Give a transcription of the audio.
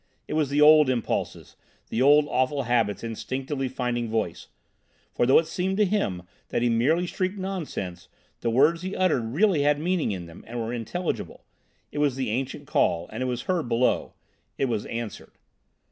It was the old impulses, the old awful habits instinctively finding voice; for though it seemed to him that he merely shrieked nonsense, the words he uttered really had meaning in them, and were intelligible. It was the ancient call. And it was heard below. It was answered.